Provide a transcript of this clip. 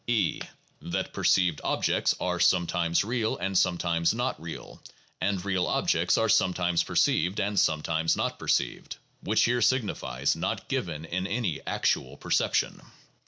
E. That perceived objects are sometimes real and sometimes not real, and real objects are sometimes perceived and sometimes not perceived (which here signifies "not given in any actual percep tion").